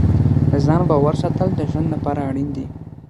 د ځان باور ساتل د ژوند لپاره اړین دي.